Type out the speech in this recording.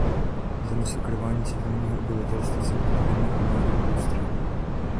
Za masakrování civilního obyvatelstva jsou odpovědné armády obou stran.